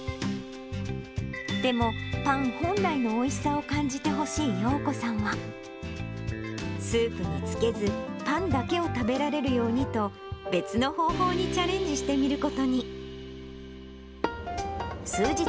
でも、パン本来のおいしさを感じてほしいようこさんは、スープにつけず、パンだけを食べられるようにと、別の方法にチャレンジしてみることに。